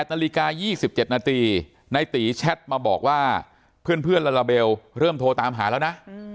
นาฬิกา๒๗นาทีในตีแชทมาบอกว่าเพื่อนลาลาเบลเริ่มโทรตามหาแล้วนะ